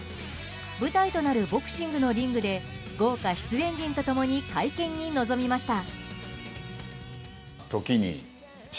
舞台となるボクシングのリングで豪華出演陣と共に会見に臨みました。